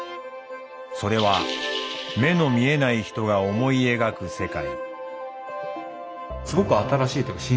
それは「目の見えないひと」が思い描く世界。